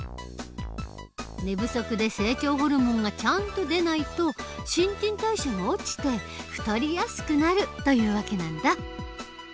寝不足で成長ホルモンがちゃんと出ないと新陳代謝が落ちて太りやすくなるという訳なんだ。